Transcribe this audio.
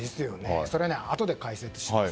それは、あとで解説します。